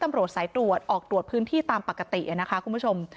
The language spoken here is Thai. ตำรวจสายตรวจออกตรวจพื้นที่ตามปกตินะคะคุณผู้ชม